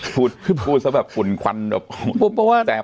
พูดแบบฝุ่นควันแปลว่า